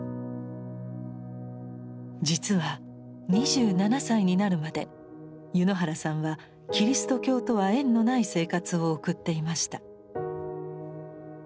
実は２７歳になるまで柚之原さんはキリスト教とは縁のない生活を送っていました。